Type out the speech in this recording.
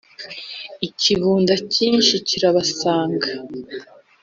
ikibunda cyinshi kirabasanga